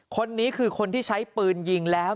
คนนี้คือคนที่ใช้ปืนยิงแล้ว